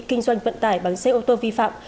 kinh doanh vận tải bằng xe ô tô vi phạm